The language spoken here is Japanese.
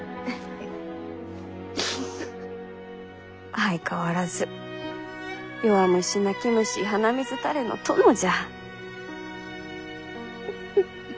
相変わらず弱虫泣き虫鼻水垂れの殿じゃ。